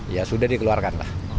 ya sudah dikeluarkan lah